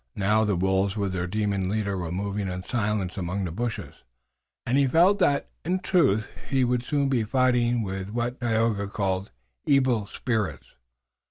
Now the wolves, with their demon leader, were moving in silence among the bushes, and he felt that in truth he would soon be fighting with what Tayoga called evil spirits.